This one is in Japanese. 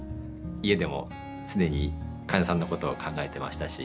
家でも常に患者さんのことを考えてましたし。